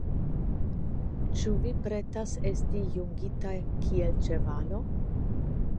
Ĉu vi pretas esti jungita kiel ĉevalo?